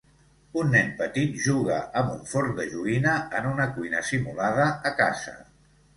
Un nen petit juga amb un forn de joguina en una cuina simulada a casa.